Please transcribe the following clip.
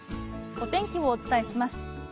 お天気をお伝えします。